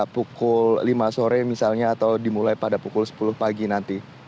pukul lima sore misalnya atau dimulai pada pukul sepuluh pagi nanti